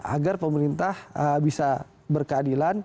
agar pemerintah bisa berkeadilan